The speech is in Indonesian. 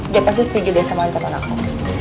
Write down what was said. dia pasti setuju dengan samaan teman aku